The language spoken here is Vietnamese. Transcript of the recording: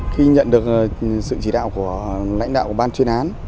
khi nhận được sự chỉ đạo của lãnh đạo ban chuyên án